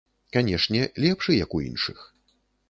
Канешне, лепшы, як у іншых.